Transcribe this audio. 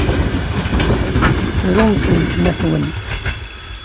Tessrumt weltma-twent!